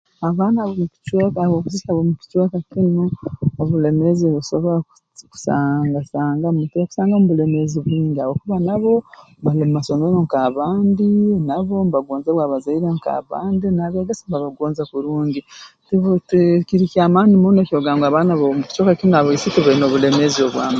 Abaana ob'omu kicweka abaisiki ab'omu kicweka kinu obulemeezi nosobora kusanga sangamu tokusangamu bulemeezi bwingi habwokuba nabo bali mu masomero nk'abandi nabo mbagonzebwa abazaire nk'abandi n'abeegesa mbabagonza kurungi tibai tikiri ky'amaani muno ekyokugamba ngu abaana ab'omu kicweka kinu abaisiki baine obulemeezi obw'am